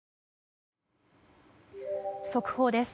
速報です。